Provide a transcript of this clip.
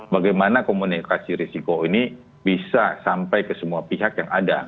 bagaimana komunikasi risiko ini bisa sampai ke semua pihak yang ada